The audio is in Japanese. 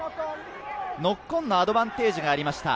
ノックオンのアドバンテージがありました。